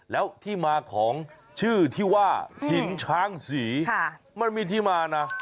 แล้วที่มาของชื่อที่ว่าหินช้างศรีมันมีที่มานะ